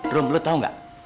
rum lo tau gak